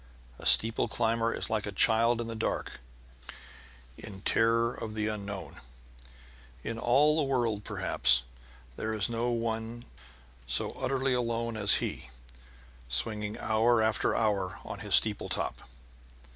A steeple climber is like a child in the dark in terror of the unknown. In all the world, perhaps, there is no one so utterly alone as he, swinging hour after hour on his steeple top.